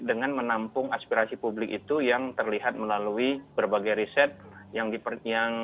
dengan menampung aspirasi publik itu yang terlihat melalui berbagai riset yang